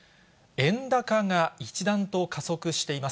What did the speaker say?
円高が一段と加速しています。